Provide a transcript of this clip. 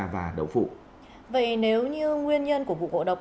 vậy nếu như nguyên nhân của vụ bộ độc